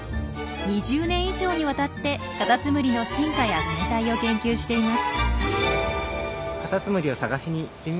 ２０年以上にわたってカタツムリの進化や生態を研究しています。